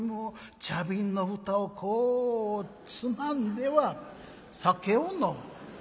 茶瓶の蓋をこうつまんでは酒を飲む。